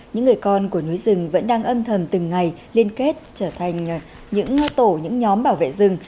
những người con của núi rừng vẫn đang âm thầm từng ngày liên kết trở thành những tổ những nhóm bảo vệ rừng